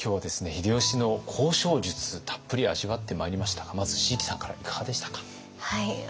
秀吉の交渉術たっぷり味わってまいりましたがまず椎木さんからいかがでしたか？